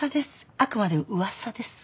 あくまで噂です。